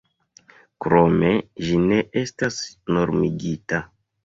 Krome, ĝi ne estas normigita.